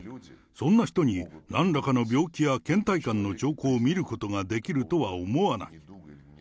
そんな人になんらかの病気やけん怠感の兆候を見ることができるとは思わない。